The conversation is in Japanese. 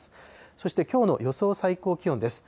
そしてきょうの予想最高気温です。